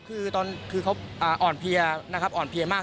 คือตอนคือเขาอ่าอ่อนเพียร์นะครับอ่อนเพียร์มาก